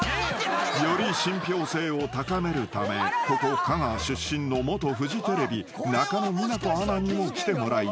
［より信ぴょう性を高めるためここ香川出身の元フジテレビ中野美奈子アナにも来てもらい］